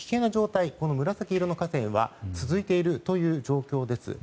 紫色の河川は続いているという状況です。